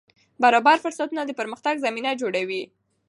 برابر فرصتونه د پرمختګ زمینه جوړوي.